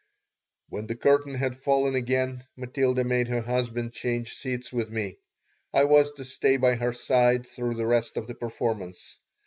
When the curtain had fallen again Matilda made her husband change seats with me. I was to stay by her side through the rest of the performance.